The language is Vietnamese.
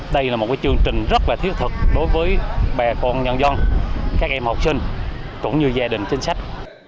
mà còn thêm những kiến thức đối với bà con nhân dân các em học sinh cũng như gia đình chính sách